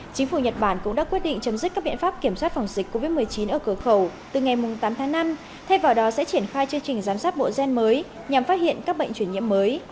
chính phủ nhật bản cũng đã quyết định chấm dứt các biện pháp kiểm soát phòng dịch covid một mươi chín ở cửa khẩu từ ngày tám tháng năm thay vào đó sẽ triển khai chương trình giám sát bộ gen mới nhằm phát hiện các bệnh chuyển nhiễm mới